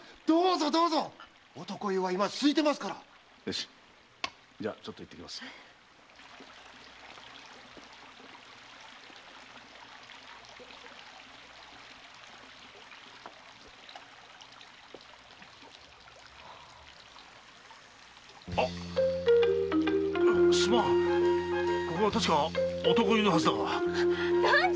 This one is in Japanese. どうぞどうぞ！